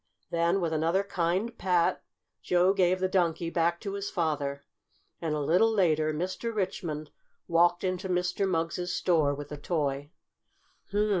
Then, with another kind pat, Joe gave the Donkey back to his father, and, a little later, Mr. Richmond walked into Mr. Mugg's store with the toy.